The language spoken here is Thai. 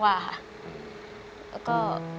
แล้วก็